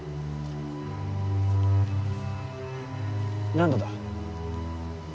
何度だ？